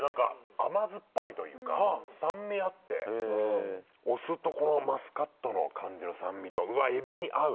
甘酸っぱいというか酸味あってお酢とこのマスカットの感じの酸味とうわエビに合う。